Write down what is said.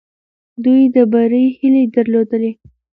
دوی د بري هیله درلودلې.